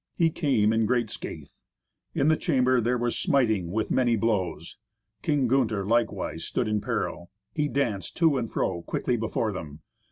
He came in great scathe. In the chamber there was smiting with many blows. King Gunther, likewise, stood in peril. He danced to and fro quickly before them.